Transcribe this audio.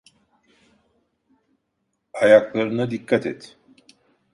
Ayaklarına dikkat et.